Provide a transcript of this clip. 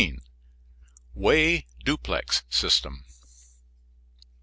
WAY DUPLEX SYSTEM.